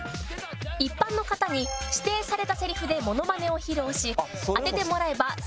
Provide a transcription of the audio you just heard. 「一般の方に指定されたセリフでモノマネを披露し当ててもらえば１００円ゲット」